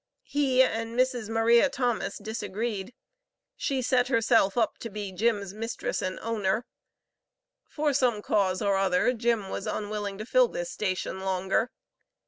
He and Mrs. Maria Thomas disagreed. She set herself up to be "Jim's" mistress and owner. For some cause or other Jim was unwilling to fill this station longer.